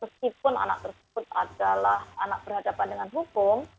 meskipun anak tersebut adalah anak berhadapan dengan hukum